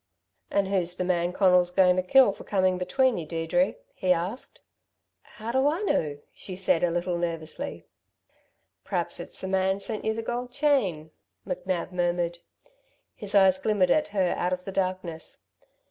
"And who's the man Conal's going to kill for comin' between you, Deirdre?" he asked. "How do I know?" she said, a little nervously. "P'raps it's the man sent you the gold chain," McNab murmured. His eyes glimmered at her out of the darkness.